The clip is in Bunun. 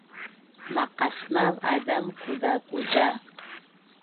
Maqasmav azam kuzakuza